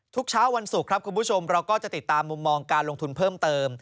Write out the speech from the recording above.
เช้าวันศุกร์ครับคุณผู้ชมเราก็จะติดตามมุมมองการลงทุนเพิ่มเติม